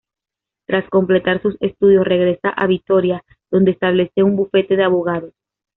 Tras completar sus estudios regresa a Vitoria donde establece un bufete de abogado.